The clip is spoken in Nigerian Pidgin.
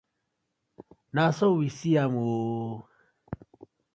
Na so we see am oo.